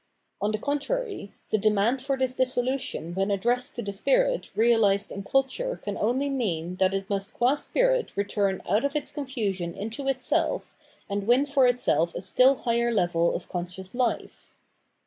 On the contrary, the demand for this dissolution when addressed to the spirit realised in culture can only mean that it must qm spirit return out of its confusion into itself, and win for itself a stiU higher level of conscious life.